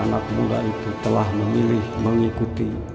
anak muda itu telah memilih mengikuti